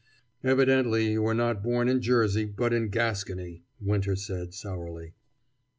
"Evidently you were not born in Jersey, but in Gascony," Winter said sourly.